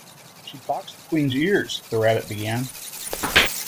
‘She boxed the Queen’s ears—’ the Rabbit began.